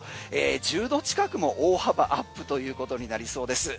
１０度近くも大幅アップということになりそうです。